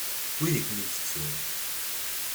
Wid i kem-itettun.